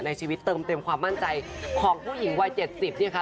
ชีวิตเติมเต็มความมั่นใจของผู้หญิงวัย๗๐เนี่ยค่ะ